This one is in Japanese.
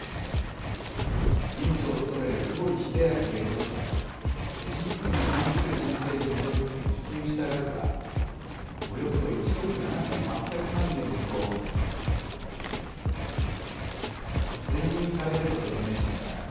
委員長を務める久保利英明弁護士は、事実に反する申請に基づき、受給した額はおよそ１億７８００万円と、推認されると説明しました。